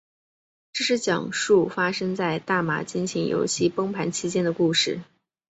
这是讲述发生在大马金钱游戏崩盘期间的故事。